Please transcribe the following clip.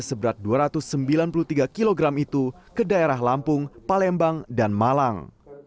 seberat dua ratus sembilan puluh tiga kg itu ke daerah lampung palembang dan malang